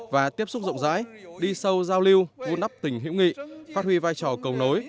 và tiếp xúc rộng rãi đi sâu giao lưu vun đắp tình hiểu nghị phát huy vai trò cầu nối